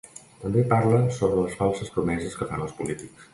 També parla sobre les falses promeses que fan els polítics.